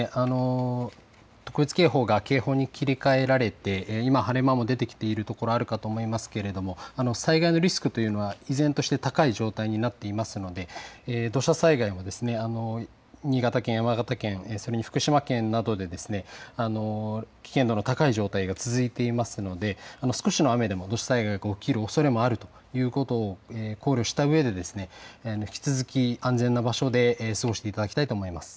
特別警報が警報に切り替えられて今、晴れ間も出てきているところがあるかと思いますけれども災害のリスクは依然として高い状態になっていますので土砂災害も新潟県、山形県、福島県などで危険度の高い状態が続いていますので少しの雨でも土砂災害が起きる可能性があるということを考慮して引き続き安全な場所で過ごしていただきたいと思います。